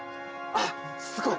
あすごい！